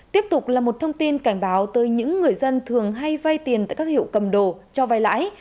tiếp tục là một thông tin cảnh báo tới những người dân thường hay vay tiền tại các hiệu cầm đồ cho vai lãi